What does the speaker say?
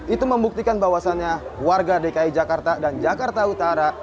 itu membuktikan bahwasannya warga dki jakarta dan jakarta utara